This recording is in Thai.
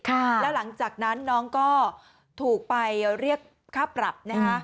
แล้วหลังจากนั้นน้องก็ถูกไปเรียกค่าปรับนะฮะ